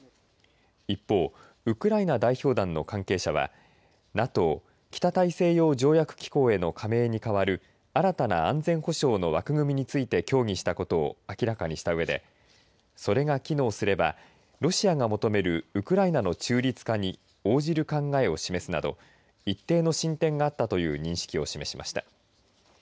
一方、ウクライナ代表団の関係者はＮＡＴＯ、北大西洋条約機構への加盟に代わる新たな安全保障の枠組みについて協議したことを明らかにしたうえでそれが機能すればロシアが求めるウクライナの中立化に応じる考えを示すなど一定の進展があったという認識を示しました。